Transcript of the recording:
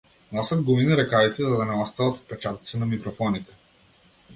Носат гумени ракавици за да не оставаат отпечатоци на микрофоните.